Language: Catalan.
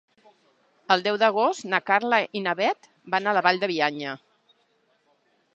El deu d'agost na Carla i na Bet van a la Vall de Bianya.